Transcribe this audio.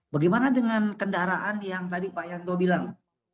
bagaimana dengan kendaraan yang tadi pak yanto bilang